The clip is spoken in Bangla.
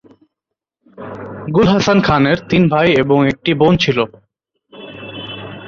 গুল হাসান খানের তিন ভাই এবং একটি বোন ছিল।